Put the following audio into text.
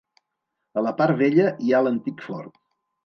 A la part vella hi ha l'antic fort.